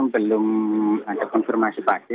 belum ada konfirmasi pasti